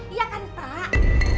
iya kan pak